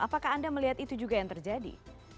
apakah anda melihat itu juga yang terjadi